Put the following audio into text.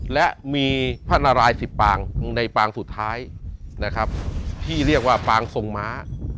และมีพระนารายสิบปางในปางสุดท้ายนะครับที่เรียกว่าปางทรงม้า